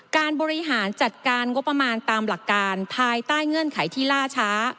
การบริหารจัดการงบประมาณตามหลักการภายใต้เงื่อนไขที่ล่าช้า